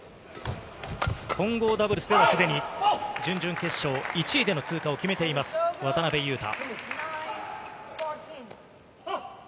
混合ダブルスではすでに準々決勝、１位での通過を決めています、渡辺勇大。